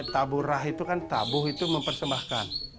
taburah itu kan tabuh itu mempersembahkan